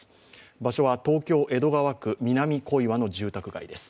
場所は東京・江戸川区南小岩の住宅街です。